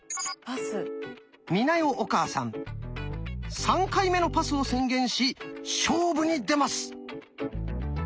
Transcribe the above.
美奈代お母さん３回目のパスを宣言し勝負に出ます！